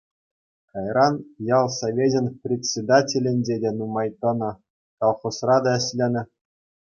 Кайран ял совечӗн председателӗнче те нумай тӑнӑ, колхозра та ӗҫленӗ.